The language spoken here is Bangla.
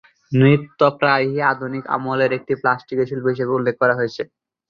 নৃত্য প্রায়ই আধুনিক আমলে একটি প্লাস্টিকের শিল্প হিসেবে উল্লেখ করা হয়েছে।